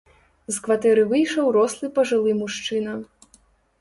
З кватэры выйшаў рослы пажылы мужчына.